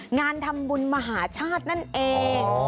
งานทำบุญมหาชาตินั่นเอง